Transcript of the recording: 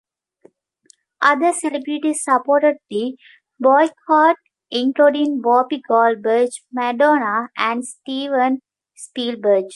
Other celebrities supported the boycott including Whoopi Goldberg, Madonna, and Steven Spielberg.